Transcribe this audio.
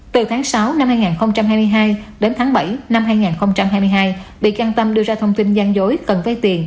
từ tháng sáu năm hai nghìn hai mươi hai đến tháng bảy năm hai nghìn hai mươi hai bị can tâm đưa ra thông tin gian dối cần vay tiền